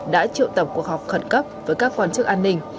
đã triệu tập cuộc họp khẩn cấp với các quan chức an ninh